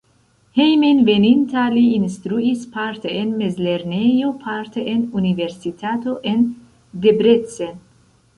Hejmenveninta li instruis parte en mezlernejo, parte en universitato en Debrecen.